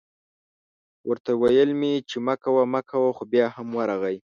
ورته ویل مې چې مه کوه مه کوه خو بیا هم ورغی